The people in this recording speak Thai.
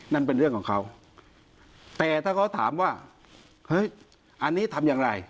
นั่นเป็นเรื่องของเขาแต่ถ้าเขาถามว่าเฮ้ยอันนี้ทำอย่างไร